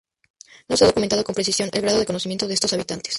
No se ha documentado con precisión el grado de conocimiento de estos hablantes.